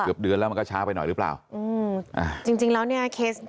เดือนแล้วมันก็ช้าไปหน่อยหรือเปล่าอืมอ่าจริงจริงแล้วเนี้ยเคส